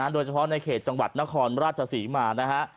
โดยเฉพาะในเขตจังหวัดนครราชศรีมานะฮะ